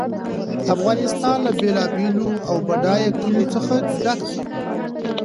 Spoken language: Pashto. افغانستان له بېلابېلو او بډایه کلیو څخه ډک دی.